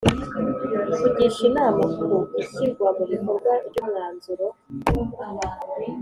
Kugisha inama ku ishyirwa mu bikorwa ry umwanzuro